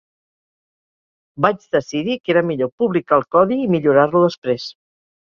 Vaig decidir que era millor publicar el codi i millorar-lo després.